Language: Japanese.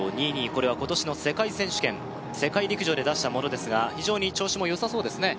これは今年の世界選手権世界陸上で出したものですが非常に調子もよさそうですね